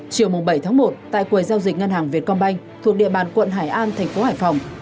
chiều bảy một tại quầy giao dịch ngân hàng vietcombank thuộc địa bàn quận hải an thành phố hải phòng